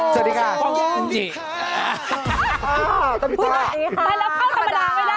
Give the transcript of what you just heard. ไปรับข้าวธรรมดาไม่ได้